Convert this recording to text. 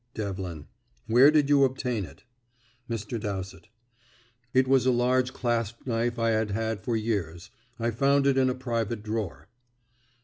Devlin: "Where did you obtain it?" Mr. Dowsett: "It was a large clasp knife I had had for years. I found it in a private drawer."